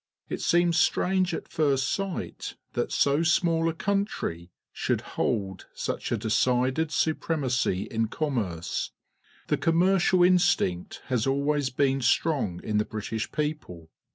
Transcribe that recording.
It seems strange at first sight that so small a country should hold such a decided supremacy in commerce. The com mercial instinct has always been strong in the British people.